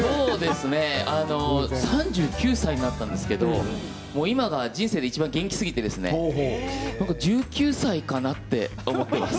３９歳になったんですけど今が人生でいちばん元気すぎて１９歳かなって思ってます。